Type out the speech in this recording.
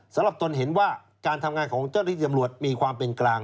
สำหรับตนเห็นว่าการทำงานของเจ้าธิตย์จำลวดมีความเป็นกลาง